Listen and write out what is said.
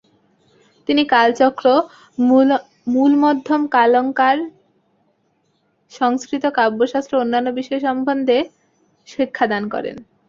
তিনি কালচক্র, মূলমধ্যমকালঙ্কার, সংস্কৃত, কাব্যশাস্ত্র ও অন্যান্য বিষয় সম্বন্ধে শিক্ষাদান করেন।